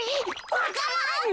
わか蘭！？